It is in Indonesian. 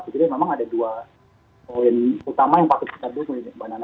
sebetulnya memang ada dua poin utama yang harus kita dukungin